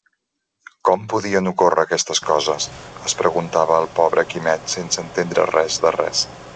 «Com podien ocórrer aquestes coses?», es preguntava el pobre Quimet sense entendre res de res.